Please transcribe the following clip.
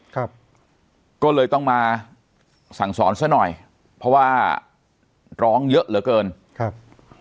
ครับก็เลยต้องมาสั่งสอนซะหน่อยเพราะว่าร้องเยอะเหลือเกินครับ